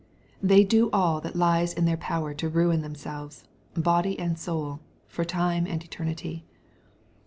They do all that lies in their power to ruin themselves, body and soul, for time and eternity.